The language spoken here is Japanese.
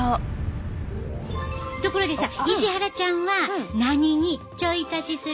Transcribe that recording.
ところでさ石原ちゃんは何にちょい足しする？